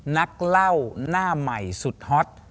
นักเล่าหน้าใหม่สุดฮอต